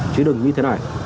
chứ đừng như thế này